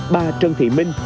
bà trần thị minh